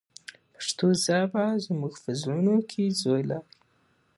پښتو ژبه زموږ په زړونو کې ځای لري.